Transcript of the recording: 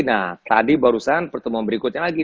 nah tadi barusan pertemuan berikutnya lagi